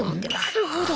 なるほど。